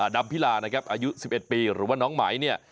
ดำพิลานะครับอายุ๑๑ปีหรือว่าน้องไหมเนี่ย